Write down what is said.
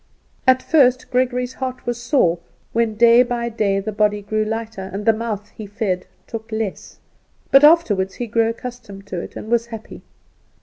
At first Gregory's heart was sore when day by day the body grew lighter, and the mouth he fed took less; but afterward he grew accustomed to it, and was happy.